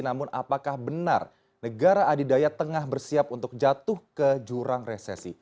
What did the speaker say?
namun apakah benar negara adidaya tengah bersiap untuk jatuh ke jurang resesi